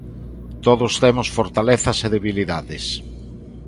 Todos temos fortalezas e debilidades.